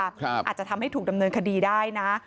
อาจจะทำให้ถูกดำเนินคดีได้นะ